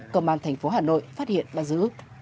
công an thành phố hà nội phát hiện bắt giữ